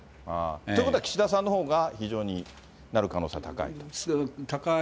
ということは岸田さんのほうが非常になる可能性が高い？